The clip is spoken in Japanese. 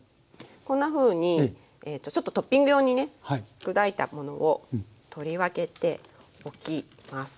こんなふうにちょっとトッピング用にね砕いたものを取り分けておきます。